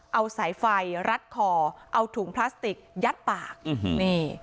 เอาสายไฟรัดคอเอาถุงพลาสติกยัดปากนี่